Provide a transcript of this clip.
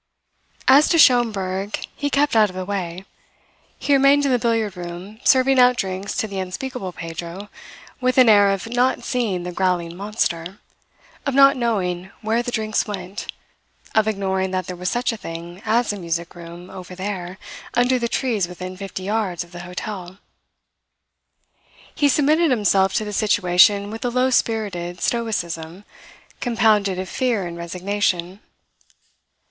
As to Schomberg, he kept out of the way. He remained in the billiard room, serving out drinks to the unspeakable Pedro with an air of not seeing the growling monster, of not knowing where the drinks went, of ignoring that there was such a thing as a music room over there under the trees within fifty yards of the hotel. He submitted himself to the situation with a low spirited stoicism compounded of fear and resignation.